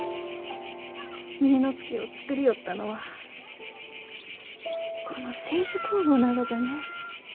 峰乃月を造りよったのはこの清酒酵母ながじゃね。